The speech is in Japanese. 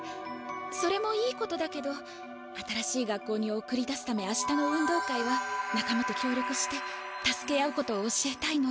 それもいいことだけど新しい学校に送り出すためあしたの運動会はなかまときょう力して助け合うことを教えたいの。